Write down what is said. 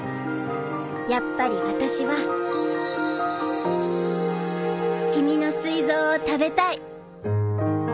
やっぱり私は君の膵臓を食べたい」。